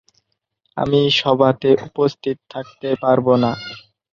আমি সভাতে উপস্থিত থাকতে পারব না।